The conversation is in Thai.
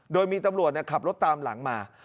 โดยมีตำรวจขับรถตามหลังมา